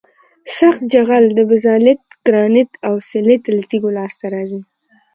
سخت جغل د بزالت ګرانیت او سلیت له تیږو لاسته راځي